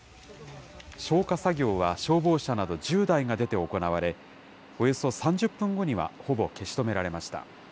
消火作業は消防車など１０台が出て行われ、およそ３０分後にはほぼ消し止められました。